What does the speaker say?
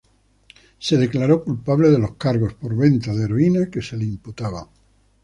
Se declaró culpable de los cargos por venta de heroína que se le imputaban.